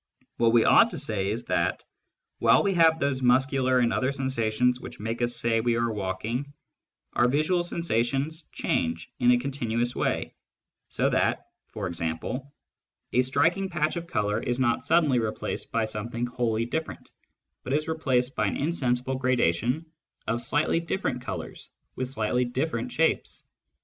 What we ought to say is that, while we have those muscular and other sensations which make us say we are walking, our visual sensations change in a continuous way, so that, for example, a striking patch of colour is not suddenly replaced by something wholly different, but is replaced by an insensible gradation of slightly different colours with slightly different shapes.